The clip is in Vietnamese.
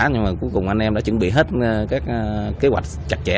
nhưng mà cuối cùng anh em đã chuẩn bị hết các kế hoạch chặt chẽ